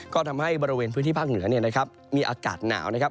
ก็ทำให้บริเวณพื้นที่ภาคเหนือเนี่ยนะครับมีอากาศหนาวนะครับ